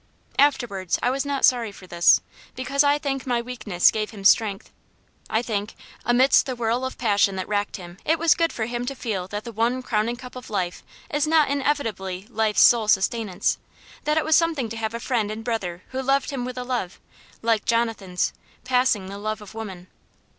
Afterwards I was not sorry for this, because I think my weakness gave him strength. I think, amidst the whirl of passion that racked him it was good for him to feel that the one crowning cup of life is not inevitably life's sole sustenance; that it was something to have a friend and brother who loved him with a love like Jonathan's "passing the love of women."